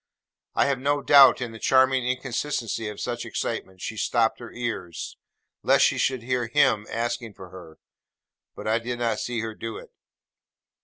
I have no doubt that in the charming inconsistency of such excitement, she stopped her ears, lest she should hear 'Him' asking for her: but I did not see her do it.